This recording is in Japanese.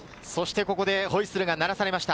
ここでホイッスルが鳴らされました。